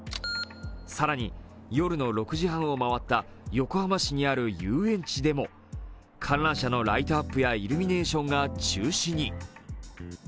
更に夜の６時半を回った横浜市にある遊園地でも観覧車のライトアップやイルミネーションが中止に。